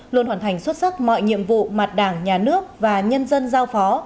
luôn hoàn thành xuất sắc mọi nhiệm vụ mặt đảng nhà nước và nhân dân giao phó